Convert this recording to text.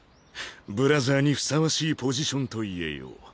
ブラザーにふさわしいポジションと言えよう。